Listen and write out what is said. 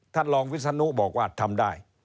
ท่านรองวิศนุบอกว่าทำได้